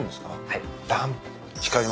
はい。